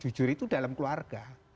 jujur itu dalam keluarga